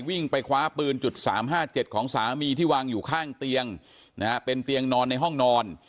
วิ่งไปคว้าปืน๓๕๗ของสามีที่วางอยู่ข้างเตียงนะฮะเป็นเตียงนอนในห้องนอน